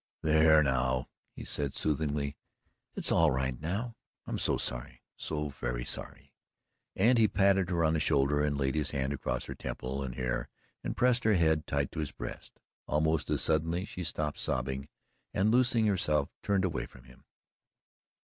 "There now!" he said soothingly. "It's all right now. I'm so sorry so very sorry," and he patted her on the shoulder and laid his hand across her temple and hair, and pressed her head tight to his breast. Almost as suddenly she stopped sobbing and loosening herself turned away from him.